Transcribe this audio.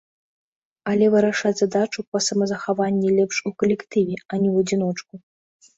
Але вырашаць задачу па самазахаванні лепш у калектыве, а не ў адзіночку.